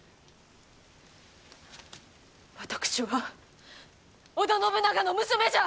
私は織田信長の娘じゃ！